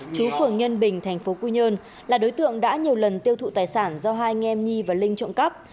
chú phường nhân bình tp quy nhơn là đối tượng đã nhiều lần tiêu thụ tài sản do hai anh em nhi và linh trộm cắp